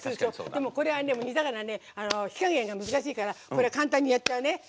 でも、これは煮魚火加減が難しいから簡単にやっちゃうね。